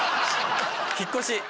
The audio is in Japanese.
「引っ越し」。